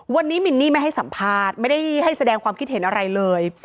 วันนี้มินนี่ไม่ให้สัมภาษณ์ไม่ได้ให้แสดงความคิดเห็นอะไรเลย